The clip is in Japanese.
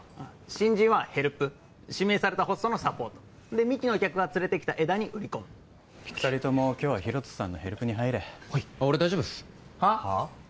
新人はヘルプ指名されたホストのサポートで幹の客が連れてきた枝に売り込む二人とも今日はヒロトさんのヘルプに入れはいあっ俺大丈夫ですはあ？